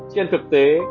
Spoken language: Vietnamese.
trên thực tế